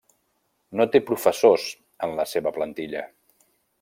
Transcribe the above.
No té professors en la seva plantilla.